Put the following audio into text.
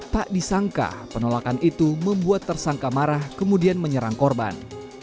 tak disangka penolakan itu membuat tersangka marah kemudian menyerang korban